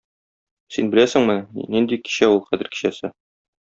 Син беләсеңме, нинди кичә ул кадер кичәсе?